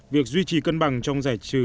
việc duy trì cân bằng trong giải trừ